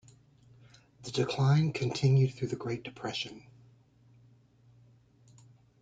The decline continued through the Great Depression.